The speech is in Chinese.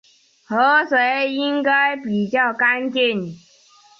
河水应该比较干净